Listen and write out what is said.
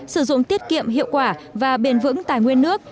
sử dụng tiết kiệm hiệu quả và bền vững tài nguyên nước